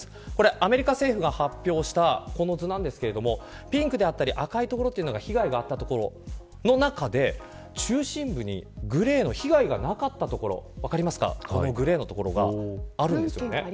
アメリカ政府が発表したこの図なんですけどピンクだったり赤い所は被害があった所その中で、中心部にグレーの、被害がなかった所分かりますかこのグレーのところがあるんですね。